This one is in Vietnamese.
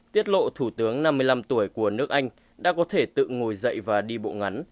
tiết lộ thủ tướng năm mươi năm tuổi của nước anh đã có thể tự ngồi dậy và đi bộ ngắn